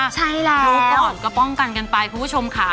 ใช่แล้วรู้ก่อนก็ป้องกันกันไปคุณผู้ชมค่ะ